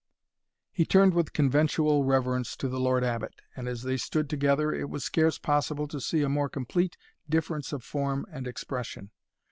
He turned with conventual reverence to the Lord Abbot; and as they stood together, it was scarce possible to see a more complete difference of form and expression.